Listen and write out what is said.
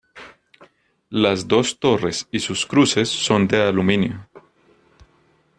Las dos torres y sus cruces son de aluminio.